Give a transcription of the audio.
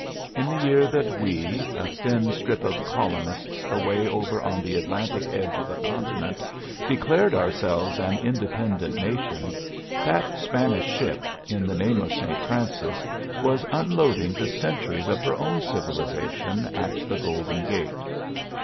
In the year that we, a thin strip of colonists away over on the Atlantic edge of the continent, declared ourselves an independent nation, that Spanish ship, in the name of Saint Francis, was unloading the centuries of her own civilization at the Golden Gate.